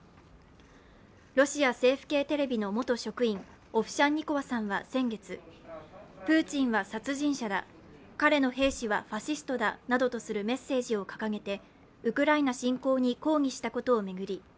ロシア政府系テレビの元職員、オフシャンニコワさんは先月、プーチンは殺人者だ、彼の兵士はファシストだなどとするメッセージを掲げてウクライナ侵攻に抗議したことを巡り